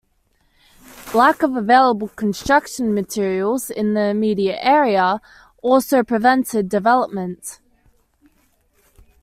Lack of available construction materials in the immediate area also prevented development.